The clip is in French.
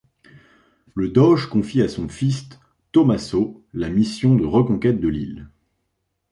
Le Doge confie à son fils, Tommaso la mission de reconquête de l'île.